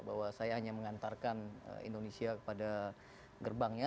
bahwa saya hanya mengantarkan indonesia kepada gerbangnya